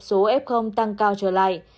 số f tăng cao trở lại